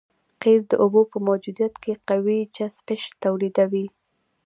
قیر د اوبو په موجودیت کې قوي چسپش تولیدوي